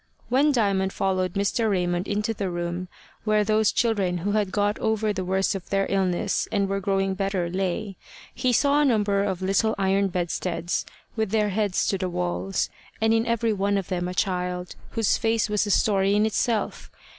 When Diamond followed Mr. Raymond into the room where those children who had got over the worst of their illness and were growing better lay, he saw a number of little iron bedsteads, with their heads to the walls, and in every one of them a child, whose face was a story in itself.